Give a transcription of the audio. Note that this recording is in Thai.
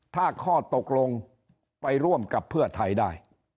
ถ้าข้อตกลงไปร่วมกับเพื่อไทยได้